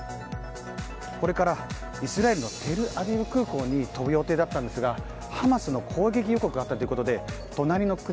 これからイスラエルのテルアビブ空港に飛ぶ予定だったんですがハマスの攻撃予告があったということで隣の国